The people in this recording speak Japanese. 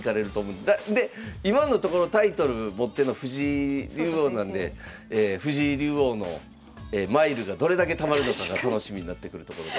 で今のところタイトル持ってんの藤井竜王なんで藤井竜王のマイルがどれだけたまるのかが楽しみになってくるところでございます。